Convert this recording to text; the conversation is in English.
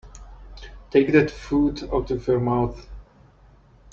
Take that food out of your mouth.